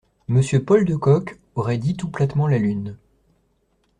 Monsieur Paul de Kock aurait dit tout platement la lune …